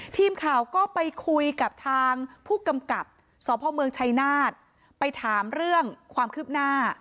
ทีมข่าวก็ไปคุยกับทางผู้กำกับสพเมืองชัยนาฏไปถามเรื่องความคืบหน้า